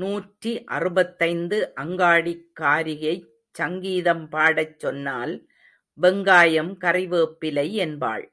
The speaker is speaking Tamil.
நூற்றி அறுபத்தைந்து அங்காடிக்காரியைச் சங்கீதம் பாடச் சொன்னால், வெங்காயம், கறி வேப்பிலை என்பாள்.